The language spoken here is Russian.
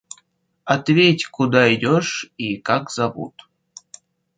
Ответь куда идешь и как зовут.